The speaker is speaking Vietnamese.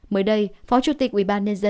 mới đây phó chủ tịch ubnd